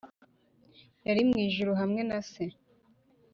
yari mw ijuru hamwe na se;